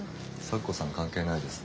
咲子さん関係ないです。